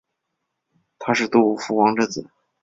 他是杜夫王之子。